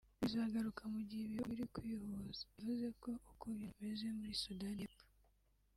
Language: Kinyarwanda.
Bizanagaruka mu gihe ibihugu biri kwihuza […]Bivuze ko uko ibintu bimeze muri Sudani y’Epfo